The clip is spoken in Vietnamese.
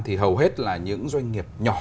thì hầu hết là những doanh nghiệp nhỏ và vừa